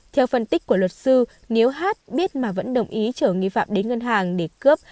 theo phân tích của luật sư nếu hát biết mà vẫn đồng ý chở nghi phạm đến ngân hàng để cướp